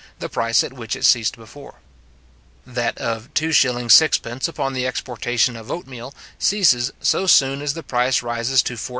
the price at which it ceased before; that of 2s:6d. upon the exportation of oatmeal, ceases so soon as the price rises to 14s.